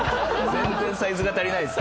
全然サイズが足りないですね。